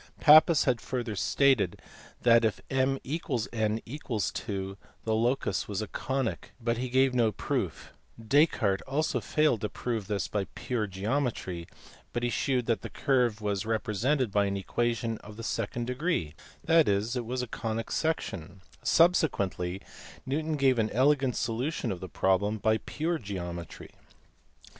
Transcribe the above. Pappus had further stated that, if m = n 2, the locus was a conic, but he gave no proof ; Descartes also failed to prove this by pure geometry, but he shewed that the curve was represented by an equation of the second degree, that is, was a conic ; subsequently Newton gave an elegant solution of the problem by pure geometry.